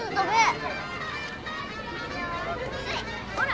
ほら。